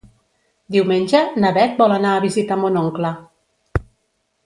Diumenge na Bet vol anar a visitar mon oncle.